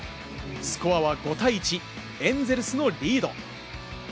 スコアは５対１、エンゼルスのリード。